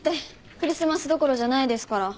クリスマスどころじゃないですから。